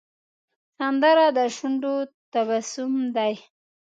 سندره د شونډو تبسم دی